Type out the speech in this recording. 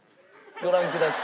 ご覧ください。